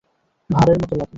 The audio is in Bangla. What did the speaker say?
ভাঁড়ের মতো লাগে।